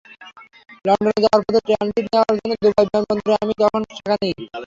লন্ডনে যাওয়ার পথে ট্রানজিট নেওয়ার জন্য দুবাই বিমানবন্দরে নামি, তখন সেখানে ঈদ।